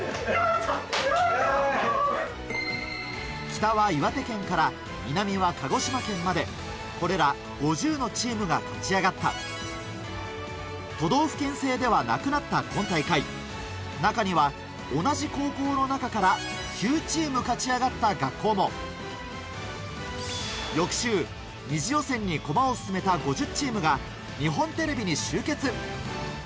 北は岩手県から南は鹿児島県までこれら５０のチームが勝ち上がった都道府県制ではなくなった今大会中には同じ高校の中から９チーム勝ち上がった学校も翌週２次予選に駒を進めた大したもんだ！